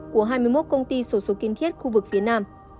của hai mươi một công ty sổ số kiên thiết khu vực phía nam